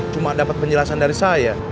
cuma dapat penjelasan dari saya